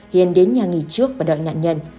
hiền đến nhà nghỉ trước và đợi nạn nhân